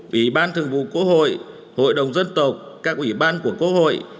ủy ban thường vụ quốc hội hội đồng dân tộc các ủy ban của quốc hội